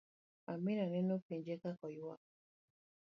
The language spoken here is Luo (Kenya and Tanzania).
Amina nene openje ka oywak